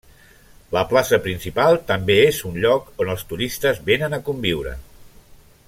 La plaça principal també és un lloc on els turistes vénen a conviure.